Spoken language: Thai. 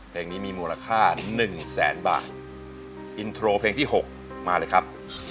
เพลงนี้มีมูลค่าหนึ่งแสนบาทอินโทรเพลงที่๖มาเลยครับ